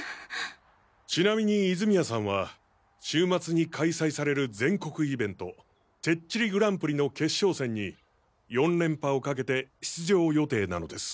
ちなみに泉谷さんは週末に開催される全国イベント「てっちりＧＰ」の決勝戦に四連覇をかけて出場予定なのです。